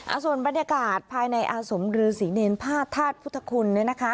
อ่าส่วนบรรยากาศภายในอาสมดือศรีเรนภาทธาตุพุทธคล